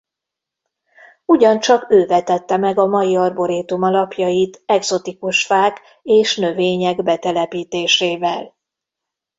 Ugyancsak ő vetette meg a mai arborétum alapjait egzotikus fák és növények betelepítésével.